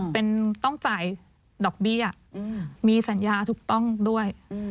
เป็นต้องจ่ายดอกเบี้ยมีสัญญาถูกต้องด้วย